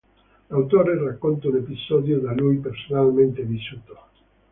L'autore racconta un episodio da lui personalmente vissuto.